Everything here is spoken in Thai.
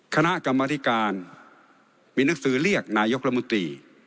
คณะกรรมธิการมีหนังสือเรียกนายกรมนตรี